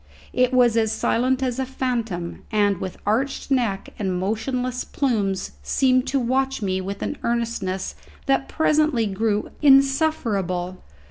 It was as silent as a phantom, and with arched neck and motionless plumes seemed to watch me with an earnestness that presently grew insufferable.